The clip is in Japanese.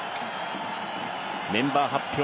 メンバー発表